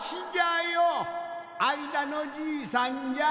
あいだのじいさんじゃ。